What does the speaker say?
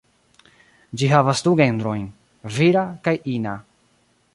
Ĝi havas du genrojn: vira kaj ina.